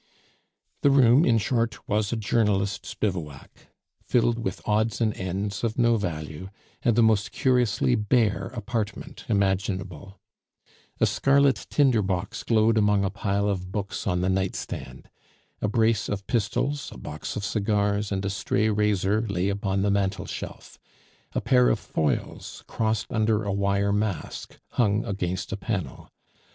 The room, in short, was a journalist's bivouac, filled with odds and ends of no value, and the most curiously bare apartment imaginable. A scarlet tinder box glowed among a pile of books on the nightstand. A brace of pistols, a box of cigars, and a stray razor lay upon the mantel shelf; a pair of foils, crossed under a wire mask, hung against a panel.